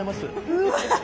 うわ。